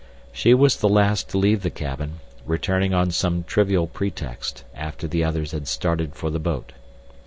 She was the last to leave the cabin, returning on some trivial pretext after the others had started for the boat.